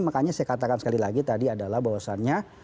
makanya saya katakan sekali lagi tadi adalah bahwasannya